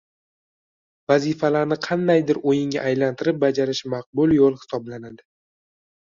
Vazifalarni qandaydir o‘yinga aylantirib bajarish maqbul yo‘l hisoblanadi.